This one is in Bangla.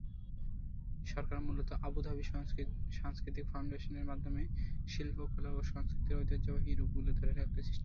সরকার মূলত আবু ধাবি সাংস্কৃতিক ফাউন্ডেশনের মাধ্যমে শিল্পকলা ও সংস্কৃতির ঐতিহ্যবাহী রূপগুলি ধরে রাখতে চেষ্টা করছে।